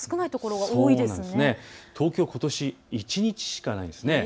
東京、ことし一日しかないんです。